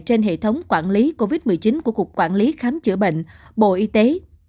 trên hệ thống quản lý covid một mươi chín của cục quản lý khám chữa bệnh bộ y tế